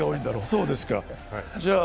そうですか。